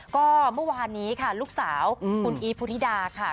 ก็เมื่อวานนี้ค่ะลูกสาวคุณอีฟพุธิดาค่ะ